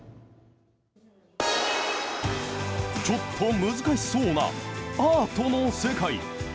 ちょっと難しそうな、アートの世界。